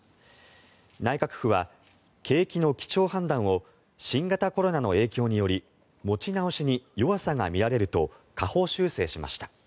内閣府は、景気の基調判断を新型コロナの影響により持ち直しに弱さが見られると下方修正しました。